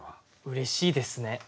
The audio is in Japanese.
うれしいですね。